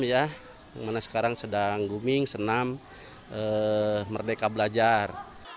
yang mana sekarang sedang booming senam merdeka belajar